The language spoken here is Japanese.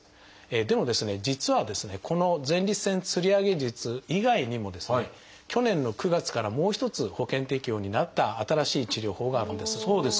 でもですね実はですねこの前立腺吊り上げ術以外にもですね去年の９月からもう一つ保険適用になった新しい治療法があるんです。